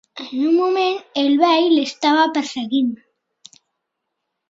En un moment, el vell l'estava perseguint.